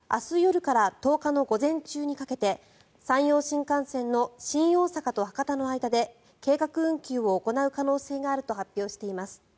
また、ＪＲ西日本は明日夜から１０日の午前中にかけて山陽新幹線の新大阪と博多の間で計画運休を行う可能性があると発表しています。